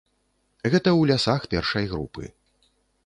Гэта ў лясах першай групы.